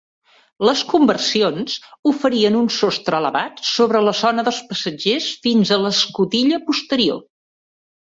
Les conversions oferien un sostre elevat sobre la zona dels passatgers fins a l'escotilla posterior.